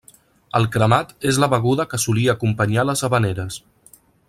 El cremat és la beguda que solia acompanyar les havaneres.